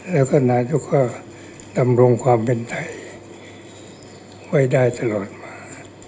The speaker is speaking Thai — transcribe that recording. แล้วก็นายกก็ดำรงความเป็นไทยไว้ได้ตลอดมา